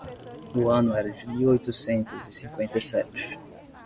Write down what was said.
o ano era de mil oitocentos e cinquenta e sete.